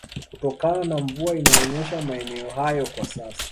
kutokana na mvua inayonyesha maeneo hayo kwa sasa